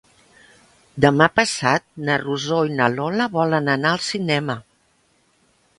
Demà passat na Rosó i na Lola volen anar al cinema.